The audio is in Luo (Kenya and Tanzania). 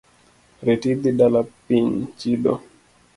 Reti idhi dala piny chido.